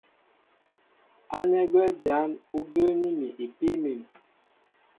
Ánɛ́ gwɛ́ jǎn ú bəə́ní mi ipíí mǐm.